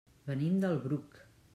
Venim del Bruc.